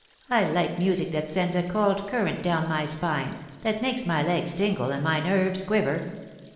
I like music that sends a cold current down my spine, that makes my legs tingle and my nerves quiver.